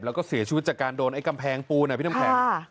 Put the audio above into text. แล้วก็เสียชีวิตจากการโดนไอ้กำแพงปูนพี่น้ำแข็ง